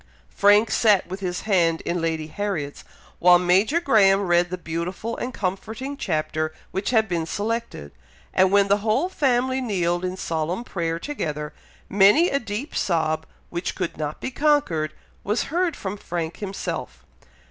Frank sat with his hand in Lady Harriet's, while Major Graham read the beautiful and comforting chapter which had been selected, and when the whole family kneeled in solemn prayer together, many a deep sob, which could not be conquered, was heard from Frank himself.